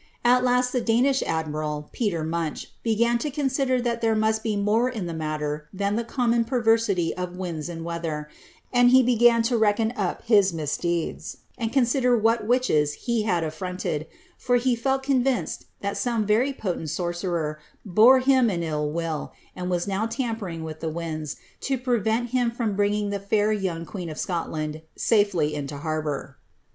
A; last the Danish admiral, Peter .Munch, began to consider thul there m& be more iu the matter than the common perversity of winds and wtaiher: and he began to reckon up his misdeeds, and consider what witrhr^ I" had anWmied, for he felt convinced that some very potent sorcerer, t^m him an ill will, and was now tampering with the winds, to prevent biiu from bringnig the fair ) oung queen of Scotland safelv into harbour.